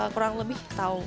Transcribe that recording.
kurang lebih tahu